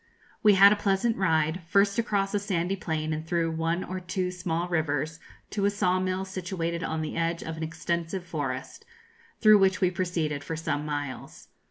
We had a pleasant ride, first across a sandy plain and through one or two small rivers, to a saw mill, situated on the edge of an extensive forest, through which we proceeded for some miles.